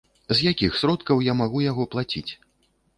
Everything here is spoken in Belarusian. З якіх сродкаў я магу яго плаціць?